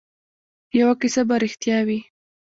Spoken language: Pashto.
یوه کیسه به ریښتیا وي.